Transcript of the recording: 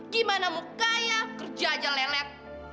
gimana mau kaya kerja aja lelet